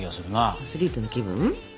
アスリートの気分？